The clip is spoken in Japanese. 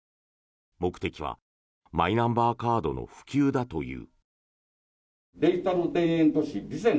目的はマイナンバーカードの普及だという。